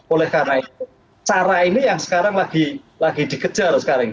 oleh karena itu cara ini yang sekarang lagi dikejar sekarang